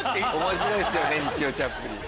面白いっすよね『にちようチャップリン』。